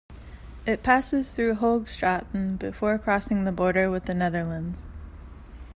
It passes through Hoogstraten before crossing the border with the Netherlands.